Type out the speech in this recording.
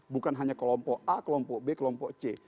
bukan hanya kelompok a kelompok b kelompok c